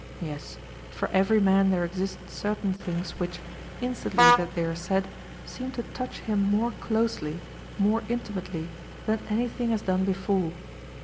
Yes, for every man there exist certain things which, instantly that they are said, seem to touch him more closely, more intimately, than anything has done before.